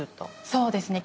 そうですね。